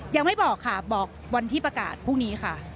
ยังไม่บอกค่ะบอกวันที่ประกาศพรุ่งนี้ค่ะ